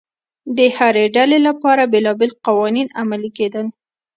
د هرې ډلې لپاره بېلابېل قوانین عملي کېدل